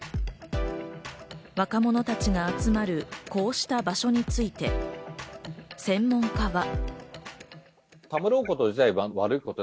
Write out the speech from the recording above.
若者たちが集まるこうした場所について専門家は。